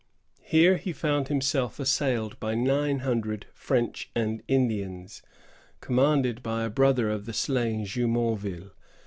Here he found himself assailed by nine hundred French and Indians, commanded by a brother of the slain Jumonville.